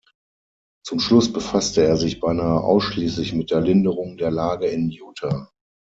Zum Schluss befasste er sich beinahe ausschließlich mit der Linderung der Lage in Utah.